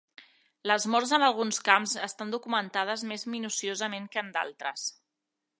Les morts en alguns camps estan documentades més minuciosament que en d'altres.